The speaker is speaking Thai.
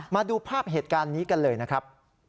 มาดูภาพเหตุการณ์นี้กันเลยนะครับ